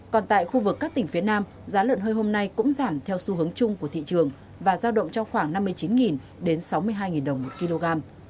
còn tại khu vực các tỉnh phía nam giá lợn hơi hôm nay cũng giảm theo xu hướng chung của thị trường và giao động trong khoảng năm mươi chín đến sáu mươi hai đồng một kg